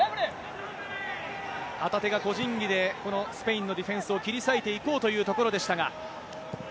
旗手が個人技で、このスペインのディフェンスを切り裂いていこうというところでしたが。